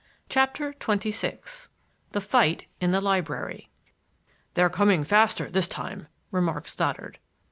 CHAPTER XXVI THE FIGHT IN THE LIBRARY "They're coming faster this time," remarked Stoddard.